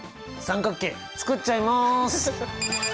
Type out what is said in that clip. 三角形作っちゃいます。